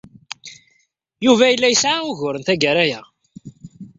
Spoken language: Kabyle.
Yuba yella yesɛa uguren tagara-a.